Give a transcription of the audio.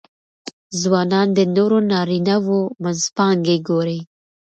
ځوانان د نورو نارینهوو منځپانګې ګوري.